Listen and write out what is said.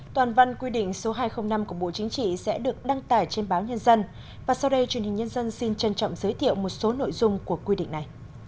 toàn văn quy định số hai trăm linh năm của bộ chính trị sẽ được đăng tải trên báo nhân dân và sau đây truyền hình nhân dân xin trân trọng giới thiệu một số nội dung của quy định này